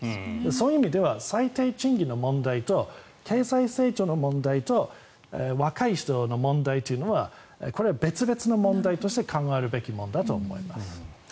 そういう意味では最低賃金の問題と経済成長の問題と若い人の問題というのはこれは別々の問題として考えるべきものだと思います。